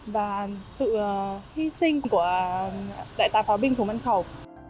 và sự hy sinh của đại tá pháo binh phủng văn khẩu